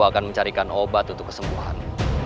akan mencarikan obat untuk kesembuhan